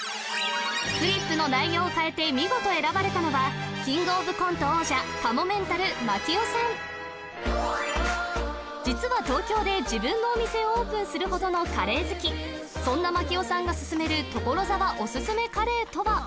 フリップの内容を変えて見事選ばれたのはキングオブコント王者かもめんたる槙尾さん実は東京で自分のお店をオープンするほどのカレー好きそんな槙尾さんが薦める所沢オススメカレーとは？